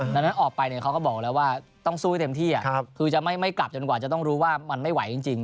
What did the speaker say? ดังนั้นออกไปเขาก็บอกแล้วว่าต้องสู้ให้เต็มที่คือจะไม่กลับจนกว่าจะต้องรู้ว่ามันไม่ไหวจริง